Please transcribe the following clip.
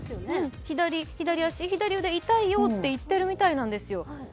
左足、左腕、痛いよって言ってるみたいなんですよ。